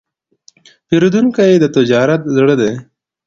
پیرودونکی د تجارت زړه دی.